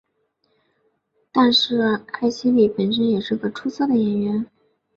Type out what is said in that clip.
但是艾希莉本身也是个出色的演员。